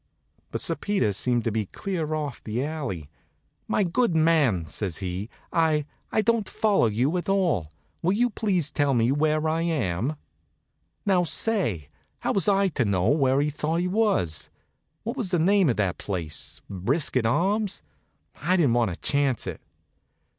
But Sir Peter seemed to be clear off the alley. "My good man," says he, "I I don't follow you at all. Will you please tell me where I am?" Now say, how was I to know where he thought he was? What was the name of that place Briskett Arms? I didn't want to chance it.